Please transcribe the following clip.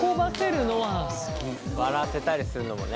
笑わせたりするのもね。